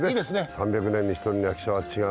３００年に一人の役者は違うなと。